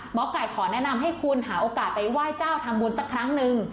หมอไก่ขอแนะนำให้คุณหาโอกาสไปไหว้เจ้าทำบุญสักครั้งหนึ่ง